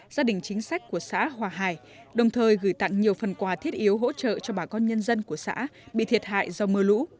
gia đình chính sách của xã hòa hải đồng thời gửi tặng nhiều phần quà thiết yếu hỗ trợ cho bà con nhân dân của xã bị thiệt hại do mưa lũ